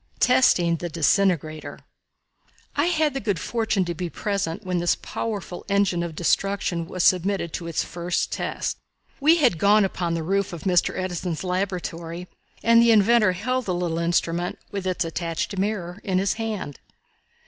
Testing the "Disintegrator." I had the good fortune to be present when this powerful engine of destruction was submitted to its first test. We had gone upon the roof of Mr. Edison's laboratory and the inventor held the little instrument, with its attached mirror, in his hand.